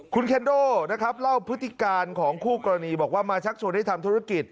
คุณเคนโดนะครับเล่าพฤติการของคู่กรณีบอกว่ามาชักชวนให้ทำธุรกิจ